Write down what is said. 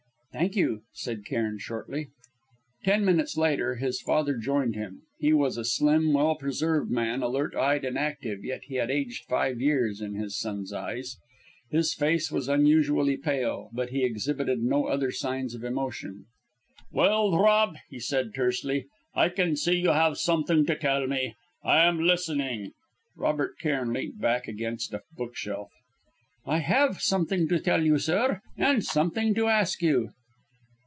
"Thank you," said Cairn shortly. Ten minutes later his father joined him. He was a slim, well preserved man, alert eyed and active, yet he had aged five years in his son's eyes. His face was unusually pale, but he exhibited no other signs of emotion. "Well, Rob," he said, tersely. "I can see you have something to tell me. I am listening." Robert Cairn leant back against a bookshelf. "I have something to tell you, sir, and something to ask you."